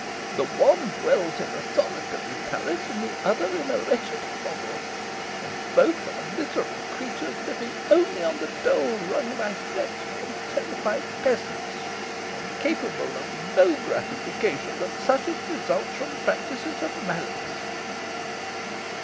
the one dwells in a solitary turret, and the other in a wretched hovel; and both are miserable creatures, living only on the dole wrung by threats from terrified peasants, and capable of no gratification but such as results from practices of malice."